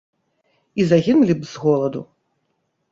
І загінулі б з голаду.